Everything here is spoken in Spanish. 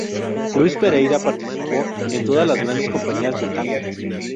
Luis Pereyra participó en todas las grandes compañías de Tango.